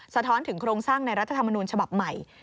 สะท้อนถึงโครงสร้างในรัฐธรรมนูญฉบับใหม่